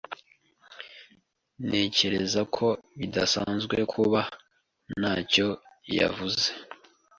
Ntekereza ko bidasanzwe kuba ntacyo yavuze.